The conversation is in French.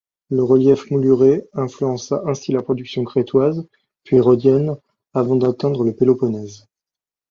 Le relief mouluré influença ainsi la production crétoise, puis rhodienne, avant d'atteindre le Péloponnèse.